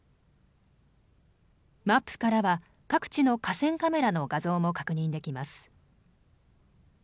マップからは各地の河川カメラの画像も確認できます。